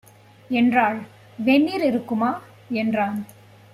என்றாள். "வெந்நீர் இருக்குமா" என்றான்.